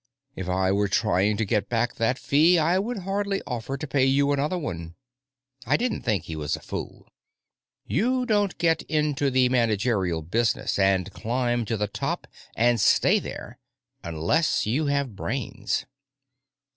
If I were trying to get back that fee, I would hardly offer to pay you another one." I didn't think he was a fool. You don't get into the managerial business and climb to the top and stay there unless you have brains.